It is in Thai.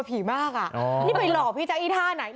เพียงไปหลอกพี่แจ๊กอีกท่านไหน